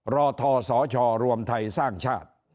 รอท่อสอช่อรวมไทยสร้างชาติ